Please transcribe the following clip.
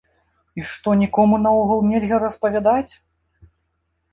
І што нікому наогул нельга распавядаць?